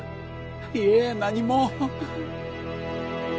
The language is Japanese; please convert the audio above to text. いいえ何も